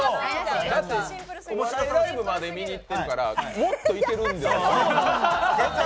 お笑いライブまで見に行ってるからもっといけるんじゃ。